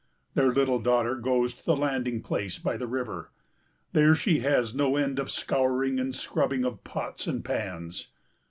Their little daughter goes to the landing place by the river; there she has no end of scouring and scrubbing of pots and pans.